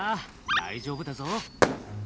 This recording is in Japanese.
大丈夫だぞ。